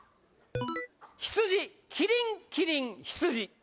ヒツジキリンキリンヒツジ